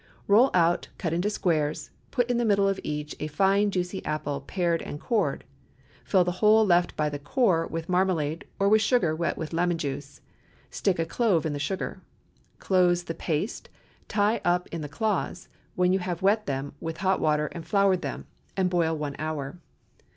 Roll out, cut into squares, put in the middle of each a fine, juicy apple, pared and cored. Fill the hole left by the core with marmalade, or with sugar wet with lemon juice. Stick a clove in the sugar. Close the paste, tie up in the cloths, when you have wet them with hot water and floured them, and boil one hour.